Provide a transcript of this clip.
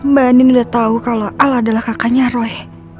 mbak andi sudah tahu kalau al adalah kakaknya roy